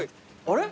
あれ？